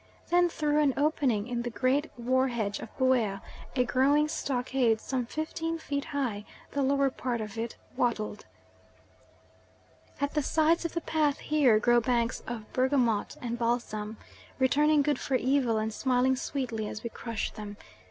Then through an opening in the great war hedge of Buea, a growing stockade some fifteen feet high, the lower part of it wattled. At the sides of the path here grow banks of bergamot and balsam, returning good for evil and smiling sweetly as we crush them.